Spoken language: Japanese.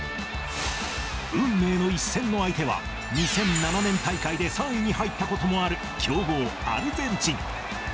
運命の一戦の相手は、２００７年大会で３位に入ったこともある強豪アルゼンチン。